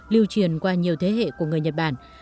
lưu truyền qua nhiều thế hệ của người nhật bản